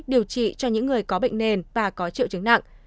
điều trị cho những người có bệnh nền và có triệu chứng nặng